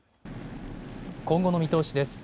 今後の見通しです。